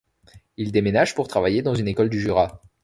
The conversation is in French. Ils déménagent pour travailler dans une école du Jura.